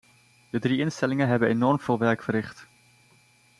De drie instellingen hebben enorm veel werk verricht.